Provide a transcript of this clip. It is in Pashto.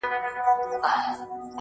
په سپورمۍ كي ستا تصوير دى.